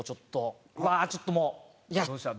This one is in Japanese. うわちょっともう。